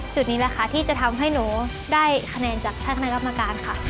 จุดนี้แหละค่ะที่จะทำให้หนูได้คะแนนจากท่านคณะกรรมการค่ะ